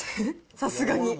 さすがに。